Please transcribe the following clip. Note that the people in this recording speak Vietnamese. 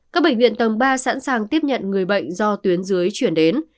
các bệnh viện tầm ba sẵn sàng tiếp nhận người bệnh do tuyến dưới chuyển đến